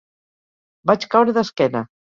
Vaig caure d'esquena.